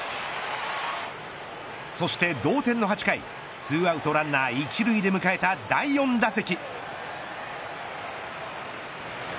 そして同点の８回２アウトランナー１塁で迎えた第４打席。